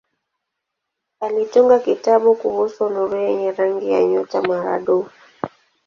Alitunga kitabu kuhusu nuru yenye rangi ya nyota maradufu.